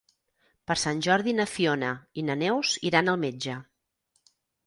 Per Sant Jordi na Fiona i na Neus iran al metge.